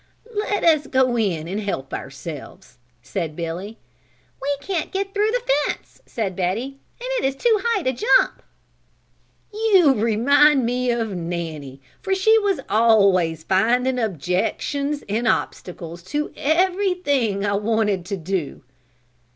"Let us go in and help ourselves," said Billy. "We can't get through the fence," said Betty, "and it is too high to jump." "You remind me of Nanny, for she was always finding objections and obstacles to everything I wanted to do."